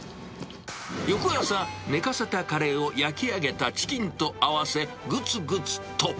翌朝、寝かせたカレーを焼き上げたチキンと合わせ、ぐつぐつと。